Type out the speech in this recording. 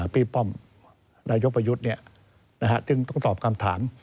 พี่ป้อมนายยกประยุทธ์ต้องตอบคำถาม